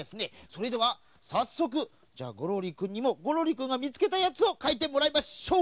それではさっそくゴロリくんにもゴロリくんがみつけたやつをかいてもらいましょう！